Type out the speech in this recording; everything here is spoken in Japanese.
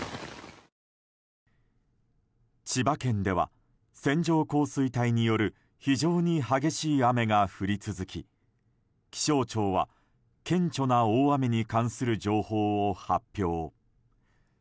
千葉県では線状降水帯による非常に激しい雨が降り続き気象庁は顕著な大雨に関する情報を発表。